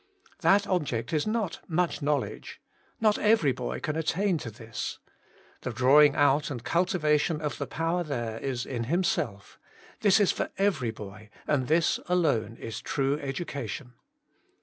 That object is not much knowledge; not every boy can attain to this. The drawing out and culti vation of the power there is in himself — this is for every boy — and this alone is true edu cation.